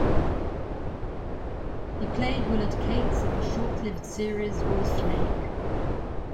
He played Willard Cates in the short-lived series Wolf Lake.